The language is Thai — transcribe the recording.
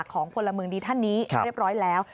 พลเมืองดีท่านนี้เรียบร้อยแล้ว